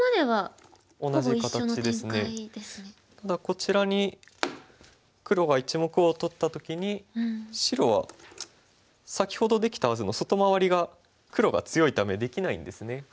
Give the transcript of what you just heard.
ただこちらに黒が１目を取った時に白は先ほどできたはずの外回りが黒が強いためできないんですね。